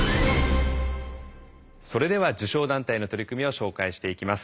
それでは受賞団体の取り組みを紹介していきます。